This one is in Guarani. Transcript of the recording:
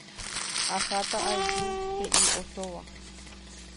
Aháta aju, he'i osóva.